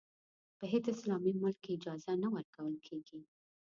په هېڅ اسلامي ملک کې اجازه نه ورکول کېږي.